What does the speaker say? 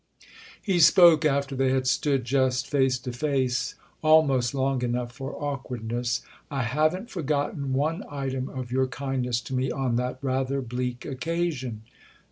He spoke after they had stood just face to face almost long enough for awkwardness. "I haven't forgotten one item of your kindness to me on that rather bleak occasion."